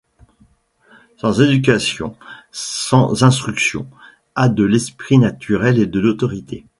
Sans éducation, sans instruction, a de l'esprit naturel et de l'autorité.